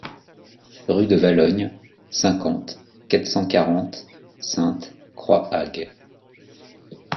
Rue de Valognes, cinquante, quatre cent quarante Sainte-Croix-Hague